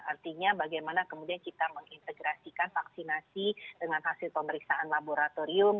artinya bagaimana kemudian kita mengintegrasikan vaksinasi dengan hasil pemeriksaan laboratorium